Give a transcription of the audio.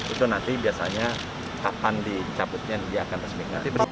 itu nanti biasanya kapan dicabutnya dia akan resmi nanti